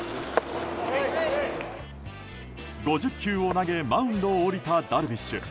５０球を投げマウンドを降りたダルビッシュ。